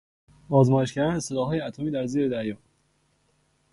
آزمایش کردن سلاحهای اتمی در زیر دریا